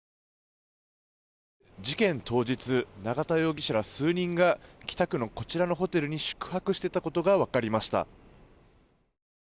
事件当日永田容疑者ら数人が北区のこちらのホテルに宿泊していたことが分かりました。